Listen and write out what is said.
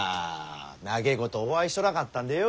長えことお会いしとらんかったんでよ。